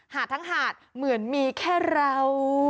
ทั้งหาดเหมือนมีแค่เรา